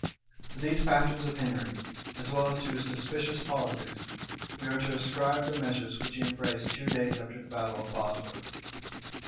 To these passions of Henry, as well as to his suspicious politics, we are to ascribe the measures which he embraced two days after the battle of Bosworth.